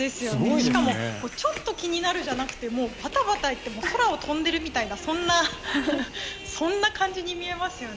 しかもちょっと気になるじゃなくてパタパタして空を飛んでるみたいなそんな感じに見えますよね。